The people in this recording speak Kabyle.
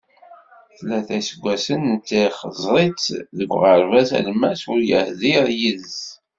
Tlata iseggasen netta ixeẓẓer-itt deg uɣerbaz alemmas, ur yehdir yid-s!